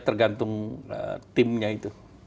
ya tergantung timnya itu